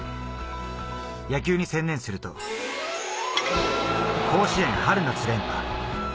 野球に専念すると、甲子園、春夏連覇。